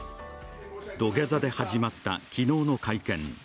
土下座で始まった昨日の会見。